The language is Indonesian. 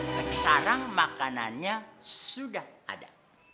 sekarang makanannya sudah ada